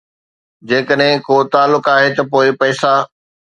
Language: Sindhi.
جيڪڏهن ڪو تعلق آهي، ته پوء پئسا